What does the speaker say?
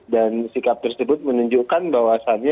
dan sikap tersebut menunjukkan bahwasannya